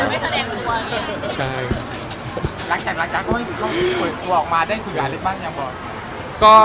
แล้วจากกลัวออกมาได้คุยกันแล้วบ้างอย่างหมด